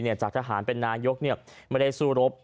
เนี่ยจากทหารเป็นนายกเนี่ยไม่ได้สู้รบ